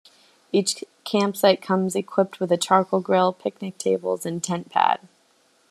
Each campsite comes equipped with a charcoal grill, picnic table and tent pad.